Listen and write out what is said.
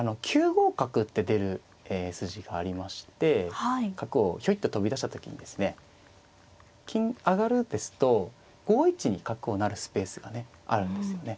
五角って出る筋がありまして角をひょいっと飛び出した時にですね金上がるですと５一に角を成るスペースがねあるんですよね。